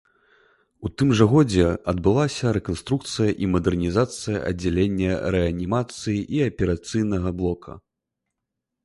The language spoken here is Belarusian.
У тым жа годзе адбылася рэканструкцыя і мадэрнізацыя аддзялення рэанімацыі і аперацыйнага блока.